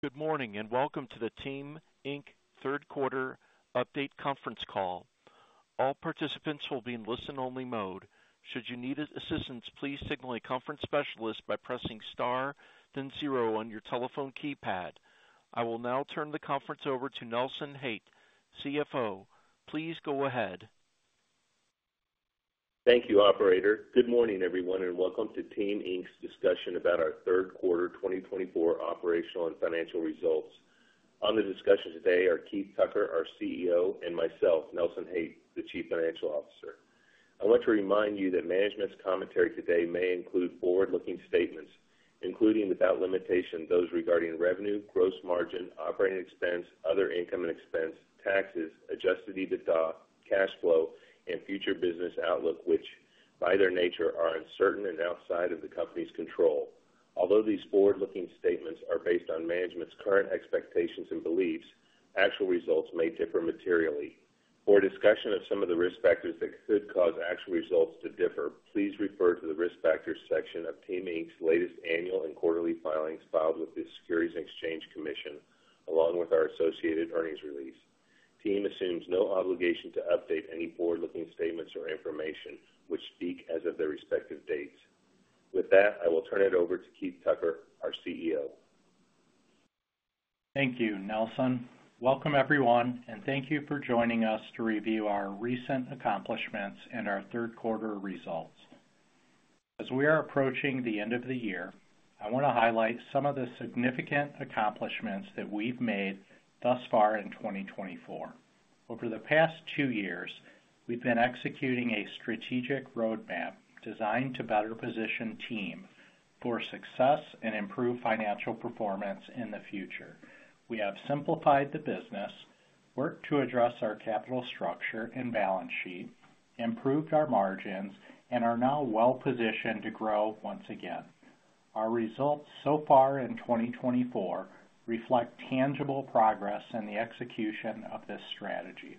Good morning and welcome to the Team Inc Third Quarter Update Conference Call. All participants will be in listen-only mode. Should you need assistance, please signal a conference specialist by pressing star, then zero on your telephone keypad. I will now turn the conference over to Nelson Haight, CFO. Please go ahead. Thank you, Operator. Good morning, everyone, and welcome to Team Inc's discussion about our Third Quarter 2024 operational and financial results. On the discussion today are Keith Tucker, our CEO, and myself, Nelson Haight, the Chief Financial Officer. I want to remind you that management's commentary today may include forward-looking statements, including without limitation those regarding revenue, gross margin, operating expense, other income and expense, taxes, adjusted EBITDA, cash flow, and future business outlook, which by their nature are uncertain and outside of the company's control. Although these forward-looking statements are based on management's current expectations and beliefs, actual results may differ materially. For discussion of some of the risk factors that could cause actual results to differ, please refer to the risk factors section of Team Inc's latest annual and quarterly filings filed with the Securities and Exchange Commission, along with our associated earnings release. Team assumes no obligation to update any forward-looking statements or information which speak as of their respective dates. With that, I will turn it over to Keith Tucker, our CEO. Thank you, Nelson. Welcome, everyone, and thank you for joining us to review our recent accomplishments and our third quarter results. As we are approaching the end of the year, I want to highlight some of the significant accomplishments that we've made thus far in 2024. Over the past two years, we've been executing a strategic roadmap designed to better position Team for success and improve financial performance in the future. We have simplified the business, worked to address our capital structure and balance sheet, improved our margins, and are now well-positioned to grow once again. Our results so far in 2024 reflect tangible progress in the execution of this strategy.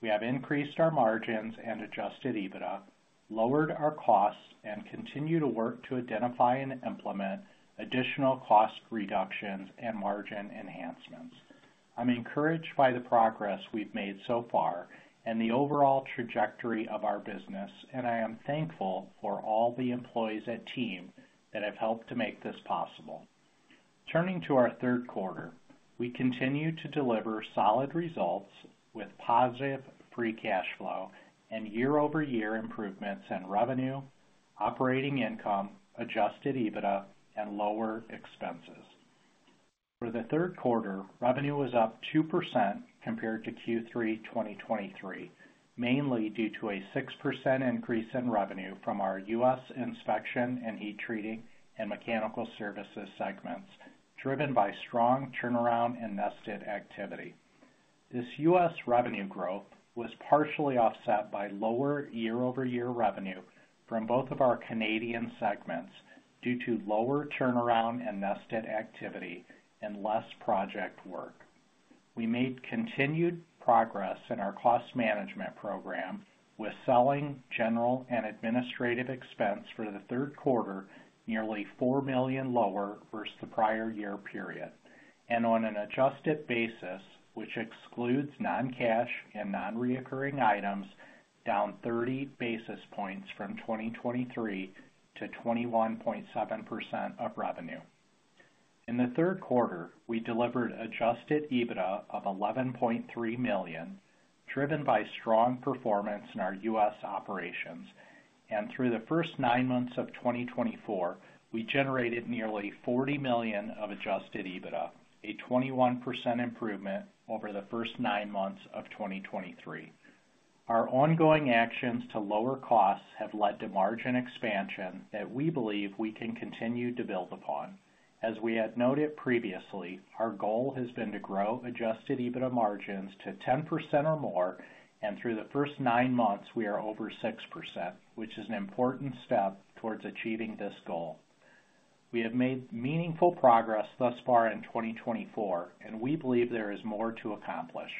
We have increased our margins and adjusted EBITDA, lowered our costs, and continue to work to identify and implement additional cost reductions and margin enhancements. I'm encouraged by the progress we've made so far and the overall trajectory of our business, and I am thankful for all the employees at Team that have helped to make this possible. Turning to our Third Quarter, we continue to deliver solid results with positive free cash flow and year-over-year improvements in revenue, operating income, adjusted EBITDA, and lower expenses. For the Third Quarter, revenue was up 2% compared to Q3 2023, mainly due to a 6% increase in revenue from our U.S. Inspection and Heat Treating and Mechanical Services segments, driven by strong turnaround and nested activity. This U.S. revenue growth was partially offset by lower year-over-year revenue from both of our Canadian segments due to lower turnaround and nested activity and less project work. We made continued progress in our cost management program with selling, general, and administrative expense for the third quarter nearly four million lower versus the prior year period, and on an adjusted basis, which excludes non-cash and non-recurring items, down 30 basis points from 2023 to 21.7% of revenue. In the third quarter, we delivered adjusted EBITDA of $11.3 million, driven by strong performance in our U.S. operations, and through the first nine months of 2024, we generated nearly $40 million of adjusted EBITDA, a 21% improvement over the first nine months of 2023. Our ongoing actions to lower costs have led to margin expansion that we believe we can continue to build upon. As we had noted previously, our goal has been to grow adjusted EBITDA margins to 10% or more, and through the first nine months, we are over 6%, which is an important step towards achieving this goal. We have made meaningful progress thus far in 2024, and we believe there is more to accomplish.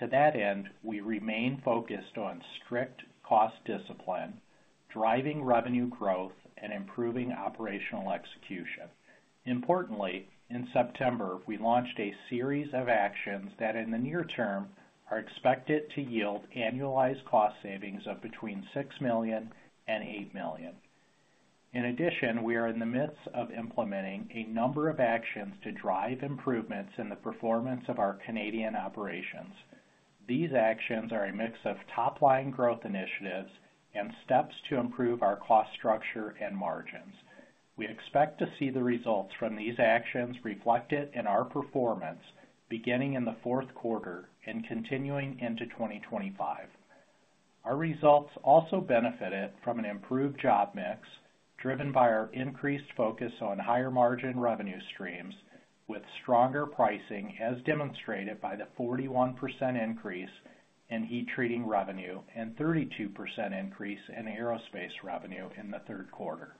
To that end, we remain focused on strict cost discipline, driving revenue growth, and improving operational execution. Importantly, in September, we launched a series of actions that in the near term are expected to yield annualized cost savings of between six million and eight million. In addition, we are in the midst of implementing a number of actions to drive improvements in the performance of our Canadian operations. These actions are a mix of top-line growth initiatives and steps to improve our cost structure and margins. We expect to see the results from these actions reflected in our performance beginning in the Fourth Quarter and continuing into 2025. Our results also benefited from an improved job mix, driven by our increased focus on higher margin revenue streams, with stronger pricing as demonstrated by the 41% increase in heat treating revenue and 32% increase in aerospace revenue in the Third Quarter.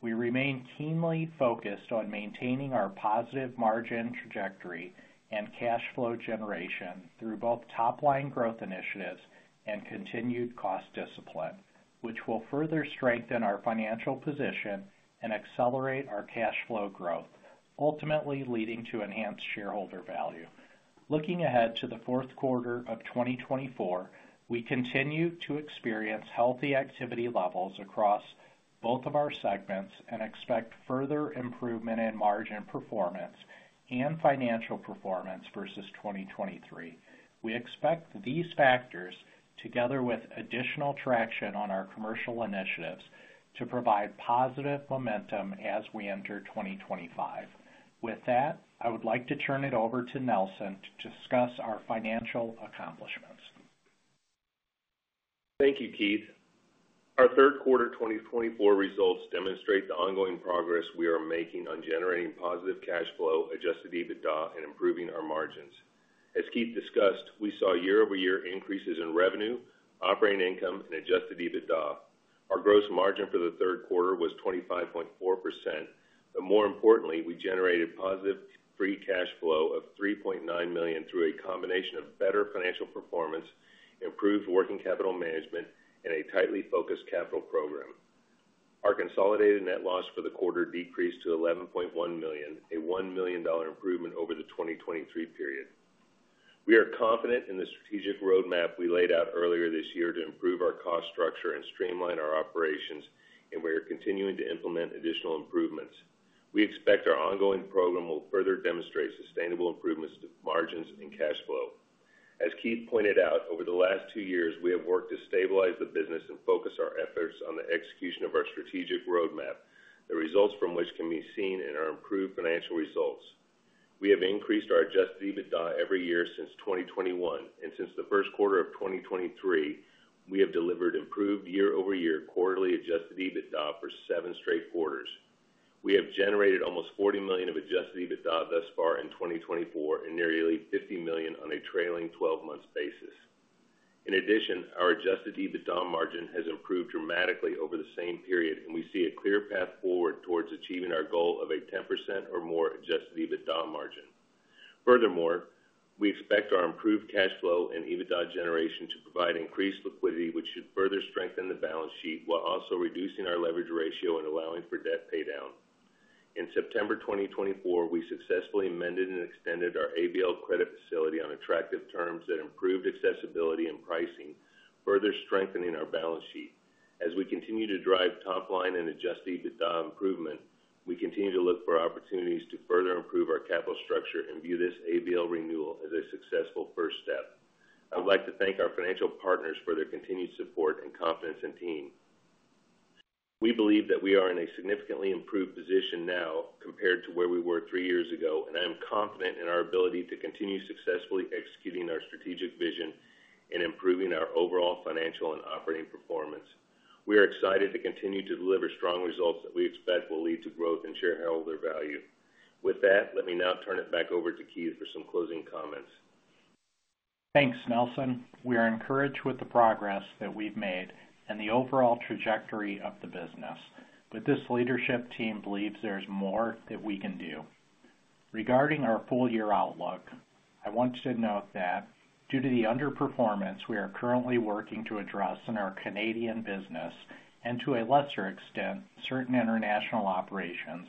We remain keenly focused on maintaining our positive margin trajectory and cash flow generation through both top-line growth initiatives and continued cost discipline, which will further strengthen our financial position and accelerate our cash flow growth, ultimately leading to enhanced shareholder value. Looking ahead to the Fourth Quarter of 2024, we continue to experience healthy activity levels across both of our segments and expect further improvement in margin performance and financial performance versus 2023. We expect these factors, together with additional traction on our commercial initiatives, to provide positive momentum as we enter 2025. With that, I would like to turn it over to Nelson to discuss our financial accomplishments. Thank you, Keith. Our Third Quarter 2024 results demonstrate the ongoing progress we are making on generating positive cash flow, adjusted EBITDA, and improving our margins. As Keith discussed, we saw year-over-year increases in revenue, operating income, and adjusted EBITDA. Our gross margin for the Third Quarter was 25.4%, but more importantly, we generated positive free cash flow of $3.9 million through a combination of better financial performance, improved working capital management, and a tightly focused capital program. Our consolidated net loss for the quarter decreased to $11.1 million, a one million improvement over the 2023 period. We are confident in the strategic roadmap we laid out earlier this year to improve our cost structure and streamline our operations, and we are continuing to implement additional improvements. We expect our ongoing program will further demonstrate sustainable improvements to margins and cash flow. As Keith pointed out, over the last two years, we have worked to stabilize the business and focus our efforts on the execution of our strategic roadmap, the results from which can be seen in our improved financial results. We have increased our adjusted EBITDA every year since 2021, and since the first quarter of 2023, we have delivered improved year-over-year quarterly adjusted EBITDA for seven straight quarters. We have generated almost $40 million of adjusted EBITDA thus far in 2024 and nearly $50 million on a trailing 12-month basis. In addition, our adjusted EBITDA margin has improved dramatically over the same period, and we see a clear path forward towards achieving our goal of a 10% or more adjusted EBITDA margin. Furthermore, we expect our improved cash flow and EBITDA generation to provide increased liquidity, which should further strengthen the balance sheet while also reducing our leverage ratio and allowing for debt paydown. In September 2024, we successfully amended and extended our ABL credit facility on attractive terms that improved accessibility and pricing, further strengthening our balance sheet. As we continue to drive top-line and adjusted EBITDA improvement, we continue to look for opportunities to further improve our capital structure and view this ABL renewal as a successful first step. I would like to thank our financial partners for their continued support and confidence in Team. We believe that we are in a significantly improved position now compared to where we were three years ago, and I am confident in our ability to continue successfully executing our strategic vision and improving our overall financial and operating performance. We are excited to continue to deliver strong results that we expect will lead to growth and shareholder value. With that, let me now turn it back over to Keith for some closing comments. Thanks, Nelson. We are encouraged with the progress that we've made and the overall trajectory of the business, but this leadership team believes there is more that we can do. Regarding our full-year outlook, I want to note that due to the underperformance we are currently working to address in our Canadian business and to a lesser extent certain international operations,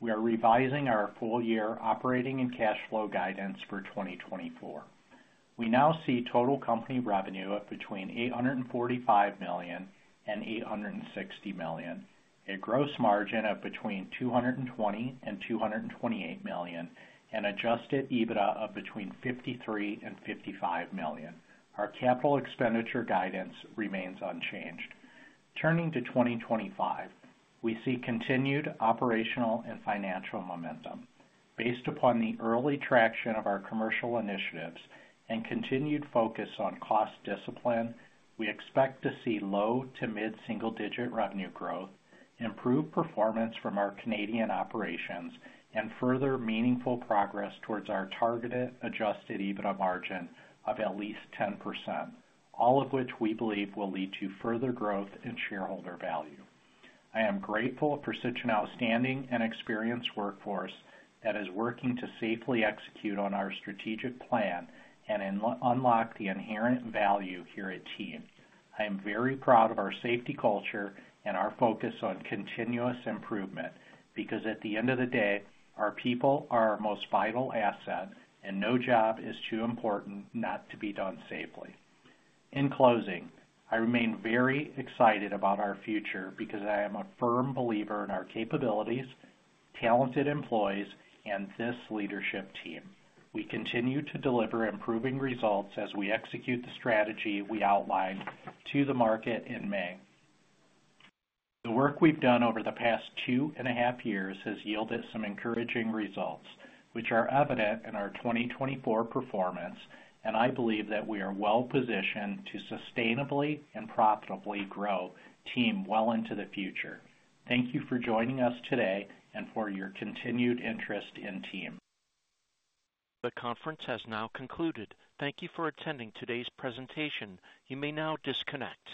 we are revising our full-year operating and cash flow guidance for 2024. We now see total company revenue of between $845 million-$860 million, a gross margin of between $220 million and $228 million, and adjusted EBITDA of between $53 million and $55 million. Our capital expenditure guidance remains unchanged. Turning to 2025, we see continued operational and financial momentum. Based upon the early traction of our commercial initiatives and continued focus on cost discipline, we expect to see low to mid-single-digit revenue growth, improved performance from our Canadian operations, and further meaningful progress towards our targeted adjusted EBITDA margin of at least 10%, all of which we believe will lead to further growth and shareholder value. I am grateful for such an outstanding and experienced workforce that is working to safely execute on our strategic plan and unlock the inherent value here at Team. I am very proud of our safety culture and our focus on continuous improvement because at the end of the day, our people are our most vital asset, and no job is too important not to be done safely. In closing, I remain very excited about our future because I am a firm believer in our capabilities, talented employees, and this leadership team. We continue to deliver improving results as we execute the strategy we outlined to the market in May. The work we've done over the past two and a half years has yielded some encouraging results, which are evident in our 2024 performance, and I believe that we are well-positioned to sustainably and profitably grow Team well into the future. Thank you for joining us today and for your continued interest in Team. The conference has now concluded. Thank you for attending today's presentation. You may now disconnect.